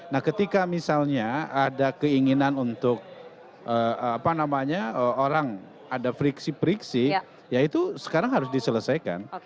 nah ketika misalnya ada keinginan untuk orang ada friksi friksi ya itu sekarang harus diselesaikan